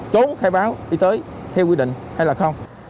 chốn khai báo đi tới theo quy định hay là không